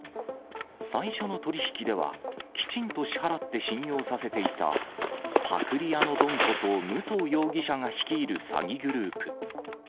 最初の取り引きでは、きちんと支払って信用させていた、パクリ屋のドンこと武藤容疑者が率いる詐欺グループ。